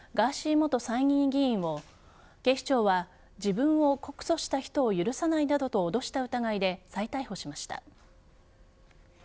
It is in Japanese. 元参院議員を警視庁は自分を告訴した人を許さないなどと脅した疑いで再逮捕しました。